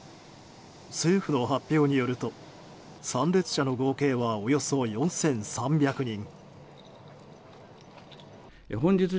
政府の発表によると参列者の合計はおよそ４３００人。